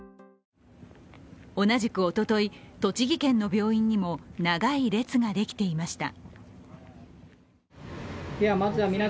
同じくおととい、栃木県の病院にも長い列ができていました。